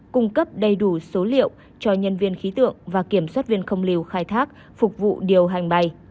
cung cấp đầy đủ số liệu cho nhân viên khí tượng và kiểm soát viên không lưu khai thác phục vụ điều hành bay